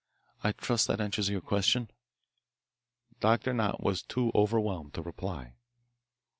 I trust that answers your question." Doctor Nott was too overwhelmed to reply.